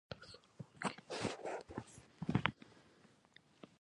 وخت درته د ژوند ارزښت در ښایي دا حقیقت دی.